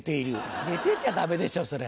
寝てちゃダメでしょそれ。